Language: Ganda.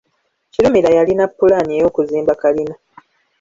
Kirumira yalina ppulaani ey’okuzimba kalina.